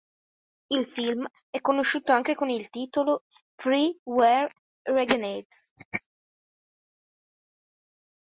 Il film è conosciuto anche con il titolo "Three Were Renegades".